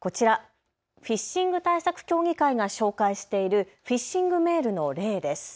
こちら、フィッシング対策協議会が紹介しているフィッシングメールの例です。